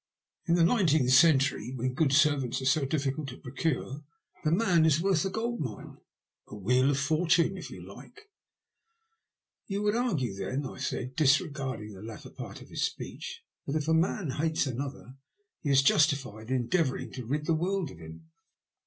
In ENGLAND ONCE MORE. 50 the nineteenth centarjy when good servants are so difficult to procure, the man is worth a gold mine — a Wheel of Fortune, if you like," Tou would argue, then," I said, disregarding the latter part of his speech, " that if a man hates another he is justified in endeavouring to rid the world of him?"